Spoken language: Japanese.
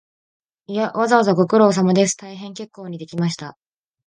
いや、わざわざご苦労です、大変結構にできました